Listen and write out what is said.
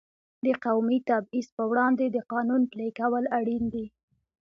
د قومي تبعیض پر وړاندې د قانون پلي کول اړین دي.